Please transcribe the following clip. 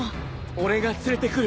俺が連れてくる！